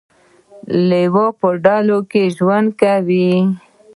لیوه په ډلو کې ژوند کوي